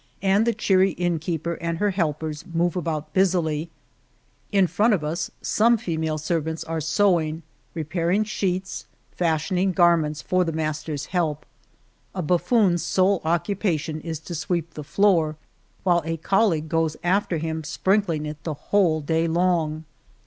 and the cheery innkeeper and her helpers move about busily. In front of us some female servants are sewing, repairing sheets, 141 El Toboso fashioning garments for the master's help. A buflfoon's sole occupation is to sweep the floor, while a colleague goes after him sprinkling it the whole day long.